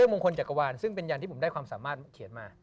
มงคลจักรวาลซึ่งเป็นยันที่ผมได้ความสามารถเขียนมา